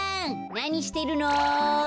なにしてるの？